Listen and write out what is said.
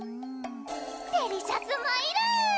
デリシャスマイル！